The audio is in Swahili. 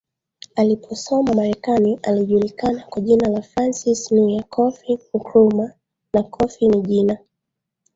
aliposoma Marekani alijulikana kwa jina la Francis Nwia Kofi Nkrumah na Kofi ni jina